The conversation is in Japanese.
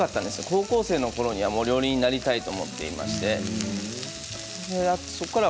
高校生のころには料理人になりたいと思っていました。